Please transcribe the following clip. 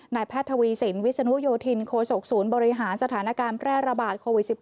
แพทย์ทวีสินวิศนุโยธินโคศกศูนย์บริหารสถานการณ์แพร่ระบาดโควิด๑๙